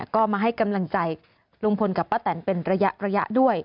ก็มาให้กำลังใจลุงพลกับป้าแตนเป็นระยะด้วย